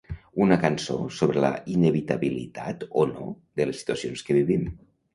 Una cançó sobre la inevitabilitat o no de les situacions que vivim.